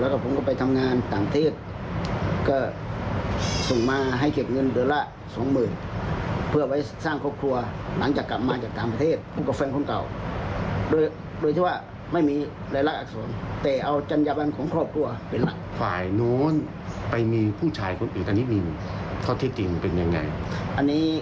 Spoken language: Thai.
แต่อันนี้มีค่อนข้างจริงพวกนี้เป็นอย่างไหน